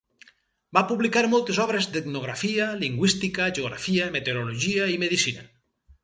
Va publicar moltes obres d'etnografia, lingüística, geografia, meteorologia i medicina.